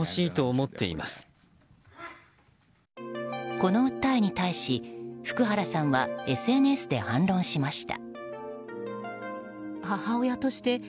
この訴えに対し福原さんはＳＮＳで反論しました。